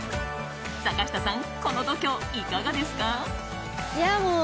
坂下さん、この度胸いかがですか？